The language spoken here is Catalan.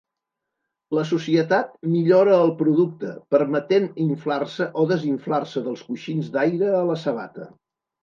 La societat millora el producte permetent inflar-se o desinflar-se dels coixins d'aire a la sabata.